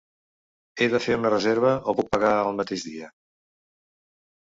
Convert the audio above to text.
He de fer una reserva o puc pagar el mateix dia?